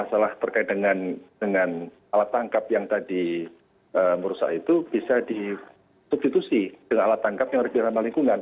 masalah terkait dengan alat tangkap yang tadi merusak itu bisa disubstitusi dengan alat tangkap yang lebih ramah lingkungan